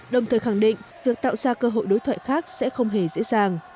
đồng thời khẳng định việc tạo ra cơ hội đối thoại khác sẽ không hề dễ dàng